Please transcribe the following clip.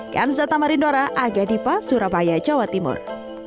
kansata marindora aga dipa surabaya jawa timur